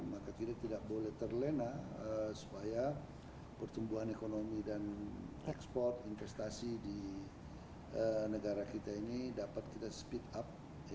maka kita tidak boleh terlena supaya pertumbuhan ekonomi dan ekspor investasi di negara kita ini dapat kita speed up